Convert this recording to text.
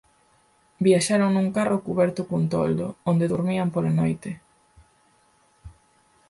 Viaxaron nun carro cuberto cun toldo, onde durmían pola noite.